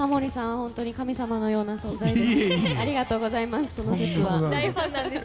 本当に神様のような存在です。